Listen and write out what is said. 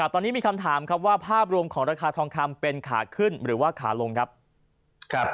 ตอนนี้มีคำถามครับว่าภาพรวมของราคาทองคำเป็นขาขึ้นหรือว่าขาลงครับ